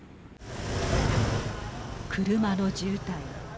車の渋滞。